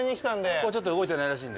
きょうはちょっと動いてないらしいんで。